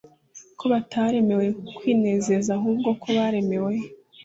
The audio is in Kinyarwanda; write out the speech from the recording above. ko bataremewe kwinezeza ahubwo ko baremewe